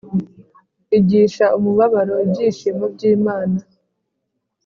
igisha umubabaro ibyishimo by'imana.